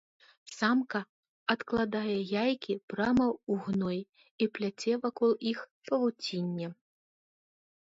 Самка адкладае яйкі прама ў гной і пляце вакол іх павуцінне.